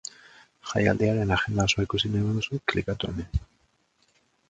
Jaialdiaren agenda osoa ikusi nahi baduzu, klikatu hemen.